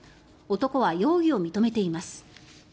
男は容疑を認めています。